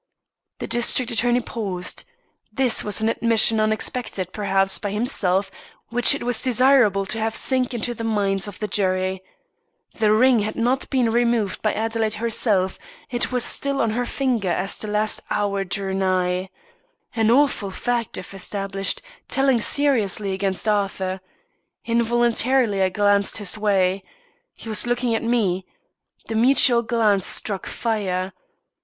The district attorney paused. This was an admission unexpected, perhaps, by himself, which it was desirable to have sink into the minds of the jury. The ring had not been removed by Adelaide herself; it was still on her finger as the last hour drew nigh. An awful fact, if established telling seriously against Arthur. Involuntarily I glanced his way. He was looking at me. The mutual glance struck fire.